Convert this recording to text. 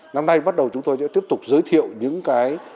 năm nay bắt đầu chúng tôi sẽ tiếp tục giới thiệu những cái